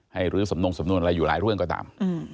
หรือสำนงสำนวนอะไรอยู่หลายเรื่องก็ตาม